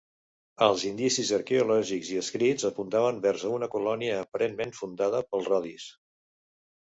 Els indicis arqueològics i escrits apuntaven vers una colònia aparentment fundada pels rodis.